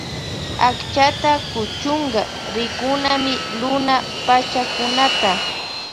Akchata kuchunka rikunami luna pachakunata.